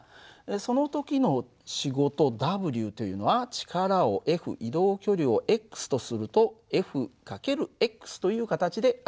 その時の仕事Ｗというのは力をＦ移動距離をとするとＦ×という形で表されます。